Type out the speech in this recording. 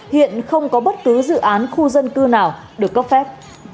hiện không có bất cứ dự án khu dân cư nào được cấp phép